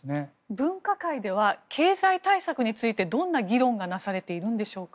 分科会では経済対策についてどんな議論がなされているんでしょうか？